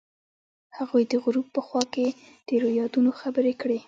هغوی د غروب په خوا کې تیرو یادونو خبرې کړې.